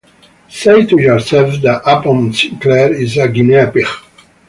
Say to yourself that Upton Sinclair is a guinea pig.